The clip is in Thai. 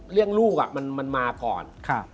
เรื่องลูกมันมาก่อน